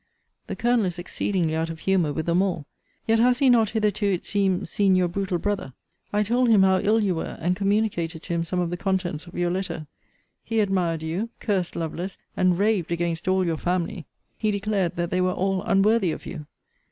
The Colonel is exceedingly out of humour with them all. Yet has he not hitherto, it seems, seen your brutal brother. I told him how ill you were, and communicated to him some of the contents of your letter. He admired you, cursed Lovelace, and raved against all your family. He declared that they were all unworthy of you.